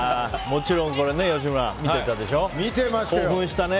もちろん吉村、見てたでしょ。